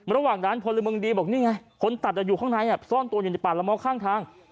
ระหว่างนั้นพลเมืองดีบอกนี่ไงคนตัดอยู่ข้างในซ่อนตัวอยู่ในป่าละม้อข้างทาง